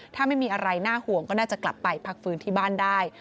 ถ้าไม่มีอะไรน่าห่วงก็น่าจะกลับไปพักฟื้นที่บ้านได้